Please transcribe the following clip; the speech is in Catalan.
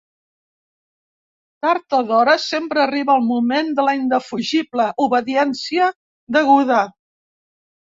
Tard o d'hora, sempre arriba el moment de la indefugible obediència deguda.